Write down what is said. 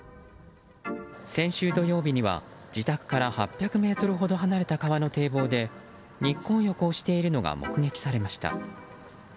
先週土曜日には、自宅から８００ｍほど離れた川の堤防で日光浴をしているのが目撃されました。